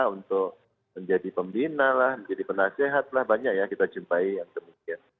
untuk menjadi pembina lah menjadi penasehat lah banyak ya kita jumpai yang demikian